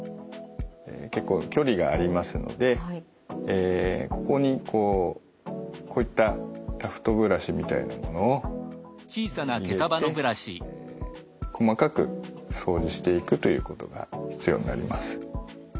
結構距離がありますのでここにこうこういったタフトブラシみたいなものを入れて細かく掃除していくということが必要になります。